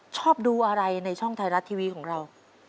ชอบดูอะไรในช่องไทยรัฐทีวีของเรา